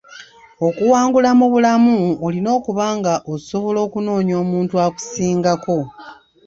Okuwangula mu bulamu olina okuba nga osobola okunoonya omuntu akusingako.